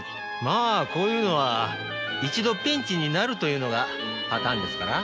まあこういうのは一度ピンチになるというのがパターンですから。